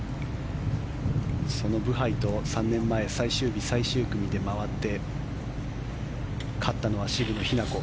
そのブハイと３年前、最終日、最終組で回って勝ったのは渋野日向子。